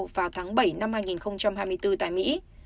vào tháng bảy năm hai nghìn hai mươi bốn tại mỹ